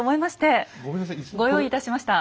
ご用意いたしました。